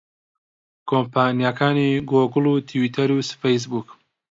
کۆمپانیاکانی گووگڵ و تویتەر و فەیسبووک